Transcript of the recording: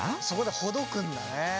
そこでほどくんだね。